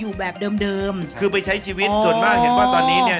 นี่แล้วสอนเด็กเมื่อกี้มะพร้าวเผาไม่